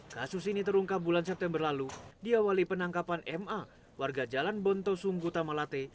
kasus ini terungkap bulan september lalu diawali penangkapan ma warga jalan bonto sunggu tamalate